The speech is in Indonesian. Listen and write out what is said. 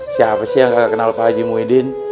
siapa sih yang kagak kenal pak haji muidin